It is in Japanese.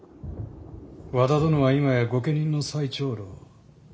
和田殿は今や御家人の最長老。